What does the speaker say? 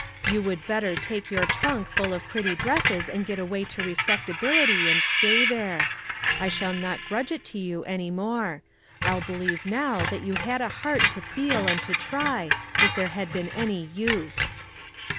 You would better take your trunk full of pretty dresses and get away to respectability, and stay there. I shall not grudge it to you any more. I'll believe now that you had a heart to feel and to try, if there had been any use."